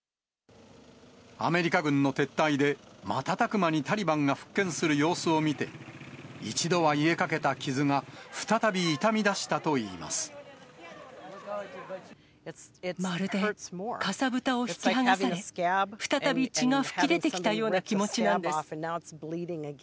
アメリカ軍の撤退で、瞬く間にタリバンが復権する様子を見て、一度は癒えかけた傷が、まるで、かさぶたを引きはがされ、再び血が噴き出てきたような気持ちなんです。